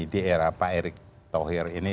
di era pak erick thohir ini